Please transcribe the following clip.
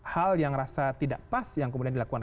hal yang rasa tidak pas yang kemudian dilakukan